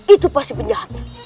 itu pasti penjahatnya